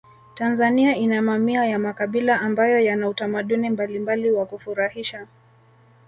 tanzania ina mamia ya makabila ambayo Yana utamaduni mbalimbali wa kufurahisha